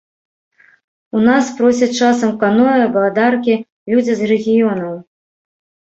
У нас просяць часам каноэ, байдаркі людзі з рэгіёнаў.